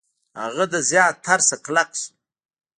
هغه له زیات ترس نه کلک شو.